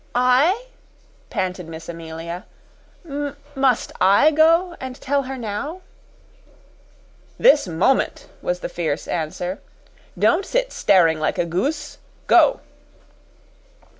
"I?" panted Miss Amelia. "M must I go and tell her now?" "This moment!" was the fierce answer. "Don't sit staring like a goose. Go!"